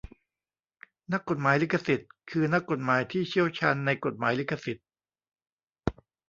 นักกฎหมายลิขสิทธิ์ คือนักกฎหมายที่เชี่ยวชาญในกฎหมายลิขสิทธิ์